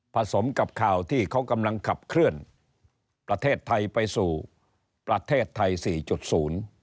ผสมกับข่าวที่เขากำลังขับเคลื่อนประเทศไทยไปสู่ประเทศไทย๔๐